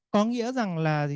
có nghĩa rằng là